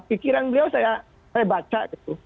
pikiran beliau saya baca gitu